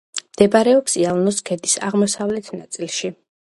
მდებარეობს იალნოს ქედის აღმოსავლეთ ნაწილში.